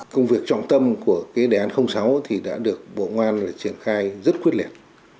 công việc trọng tâm của cái đề án sáu thì đã được bộ ngoan triển khai rất quyết liệt